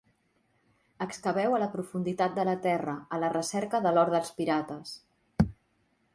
Excaveu a la profunditat de la terra a la recerca de l'or dels pirates.